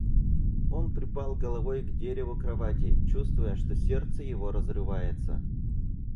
Он припал головой к дереву кровати, чувствуя, что сердце его разрывается.